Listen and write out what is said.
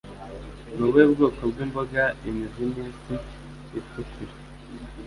Ni ubuhe bwoko bw'imboga imizi ni isi itukura